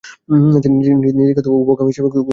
তিনি নিজেকে উভকামী হিসাবে ঘোষণা করেছেন।